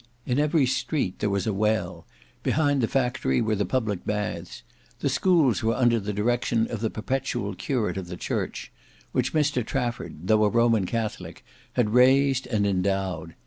In every street there was a well: behind the factory were the public baths; the schools were under the direction of the perpetual curate of the church, which Mr Trafford, though a Roman Catholic, had raised and endowed.